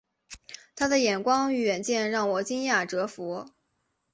他的眼光与远见让我惊讶折服